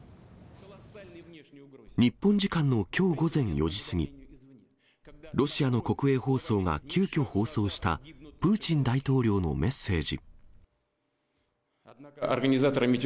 日本時間のきょう午前４時過ぎ、ロシアの国営放送が急きょ放送したプーチン大統領のメッセージ。